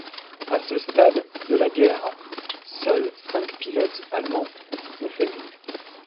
À ce stade de la guerre, seul cinq pilotes allemands ont fait mieux.